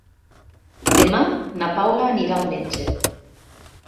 Demà na Paula anirà al metge.